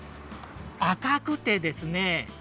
あかくてですね